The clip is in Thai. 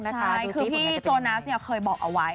คือพี่โจนัสเคยบอกเอาไว้